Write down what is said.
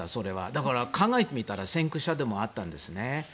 だから、考えてみたら先駆者でもあったんですね。